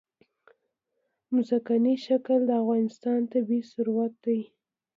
ځمکنی شکل د افغانستان طبعي ثروت دی.